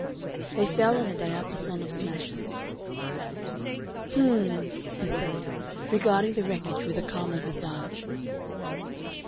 They fell in a diapason of smashes. "H'm!" he said, regarding the wreckage with a calmer visage.